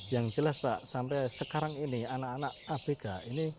yang jelas pak sampai sekarang ini anak anak abk